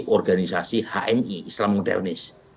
organisasi hmi islam modernis